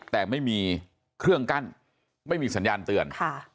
แต่ไม่มีเครื่องกั้นไม่มีสัญญาณเตือน